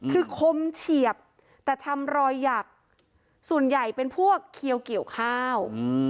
คือคมเฉียบแต่ทำรอยหยักส่วนใหญ่เป็นพวกเขียวเกี่ยวข้าว